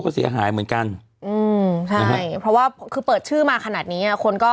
ใช่เพราะว่าเปิดชื่อมาขนาดนี้